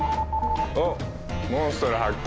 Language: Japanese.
おモンストロ発見！